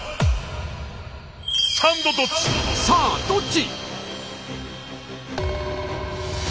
さあどっち？